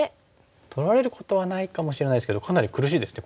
取られることはないかもしれないですけどかなり苦しいですね。